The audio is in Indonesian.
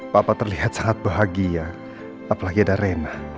papa terlihat sangat bahagia apalagi ada rema